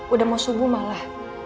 udah mau subuh malah